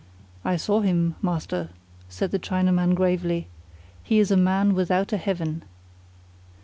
"I saw him, master," said the Chinaman gravely. "He is a man without a heaven."